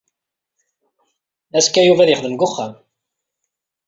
Azekka, Yuba ad yexdem deg uxxam.